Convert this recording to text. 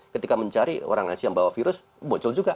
ketika mencari orang asia yang bawa virus muncul juga